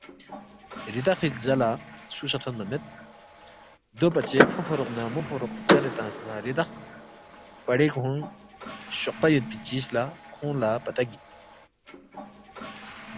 ریدخی لزا لہ سُو سہ تھونما مید، دوپژے فوفوروق نہ مو فوروق ژَلے تنگس نہ ریدخ پژے کھونگ شوقپہ یودپی چیز لہ کھونگ لہ پتہ گِک